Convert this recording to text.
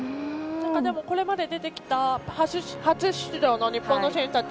これまで出てきた初出場の日本の選手たち